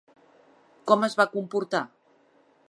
Com es va comportar?